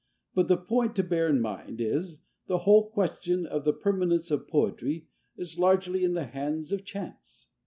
But the point to bear in mind is, the whole question of the permanence of poetry is largely in the hands of chance.